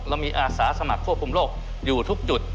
เรามีอาสาสมัครควบคุมโรคอยู่ทุกจุด